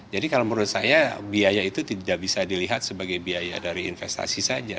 jadi kalau menurut saya biaya itu tidak bisa dilihat sebagai biaya dari investasi saja